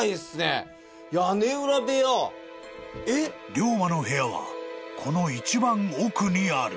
［龍馬の部屋はこの一番奥にある］